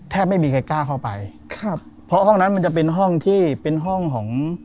ไม่มีใครกล้าเข้าไปครับเพราะห้องนั้นมันจะเป็นห้องที่เป็นห้องของ